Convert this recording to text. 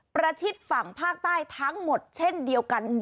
ชิดฝั่งภาคใต้ทั้งหมดเช่นเดียวกัน